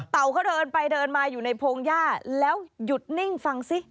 เขาเดินไปเดินมาอยู่ในพงหญ้าแล้วหยุดนิ่งฟังสิ